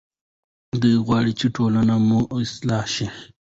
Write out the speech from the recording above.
دی غواړي چې ټولنه مو اصلاح شي.